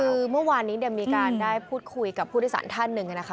คือเมื่อวานนี้มีการได้พูดคุยกับผู้โดยสารท่านหนึ่งนะคะ